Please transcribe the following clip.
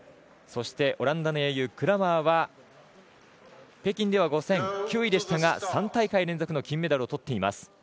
そして、オランダの英雄クラマーは北京では５０００、９位でしたが３大会連続の金メダルをとっています。